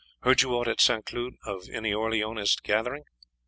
Heard you aught at St. Cloud of any Orleanist gathering?"